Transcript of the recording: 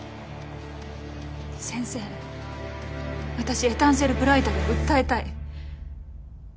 先生私エタンセルブライダルを訴えたい。